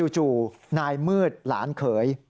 จู่นายมืดหลานเขย